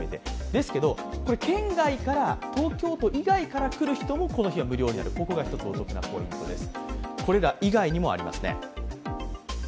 ですけど県外から東京都以外から来る人もこの日は無料になる、ここが一つお得なポイントです。